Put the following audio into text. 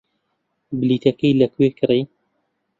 بلیتەکەی لەکوێ کڕی؟